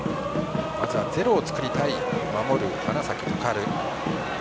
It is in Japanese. まずは０を作りたい守る花咲徳栄。